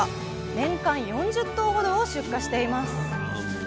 年間４０頭ほどを出荷しています。